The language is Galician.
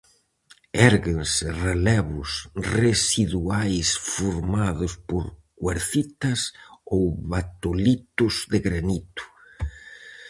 Érguense relevos residuais formados por cuarcitas ou batolitos de granito.